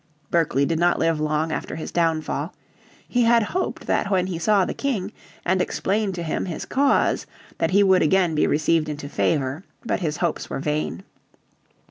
Berkeley did not live long after his downfall. He had hoped that when he saw the King, and explained to him his cause, that he would be again received into favour. But his hopes were vain.